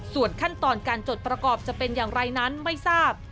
ส่วนขั้นตอนการจดประกอบจะเป็นอย่างไรนั้นไม่ทราบ